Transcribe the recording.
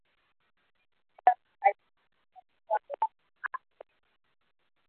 Jacob alionyesha tabasamu huku akiketi chini